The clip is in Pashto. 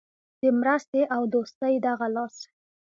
د مرستې او دوستۍ دغه لاس.